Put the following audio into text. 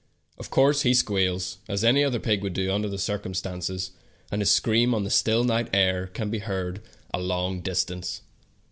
Of course he squeals, as any other pig would do under the circumstances, and his scream on the still night air can be heard a long distance.